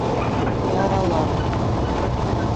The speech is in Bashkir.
Яралар.